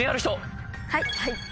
はい！